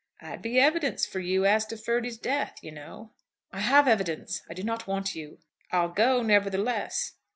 "I'd be evidence for you, as to Ferdy's death, you know." "I have evidence. I do not want you." "I'll go, nevertheless."